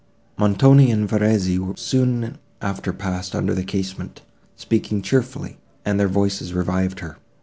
Montoni and Verezzi soon after passed under the casement, speaking cheerfully, and their voices revived her.